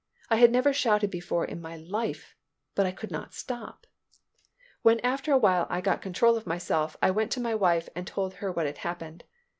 I had never shouted before in my life, but I could not stop. When after a while I got control of myself, I went to my wife and told her what had happened.